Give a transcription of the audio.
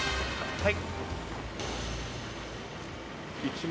はい。